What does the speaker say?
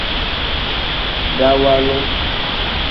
Dawaalu.